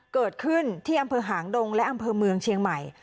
เกิดขึ้นที่อำเภอหางดงและอำเภอเมืองเชียงใหม่